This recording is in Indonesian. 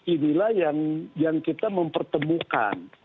inilah yang kita mempertemukan